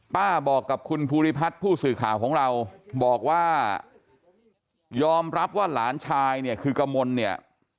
บอกกับคุณภูริพัฒน์ผู้สื่อข่าวของเราบอกว่ายอมรับว่าหลานชายเนี่ยคือกมลเนี่ย